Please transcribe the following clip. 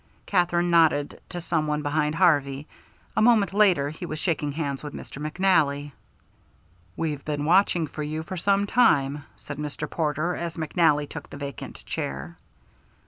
Katherine nodded to some one behind Harvey. A moment later he was shaking hands with Mr. McNally. "We've been watching for you for some time," said Mr. Porter, as McNally took the vacant chair.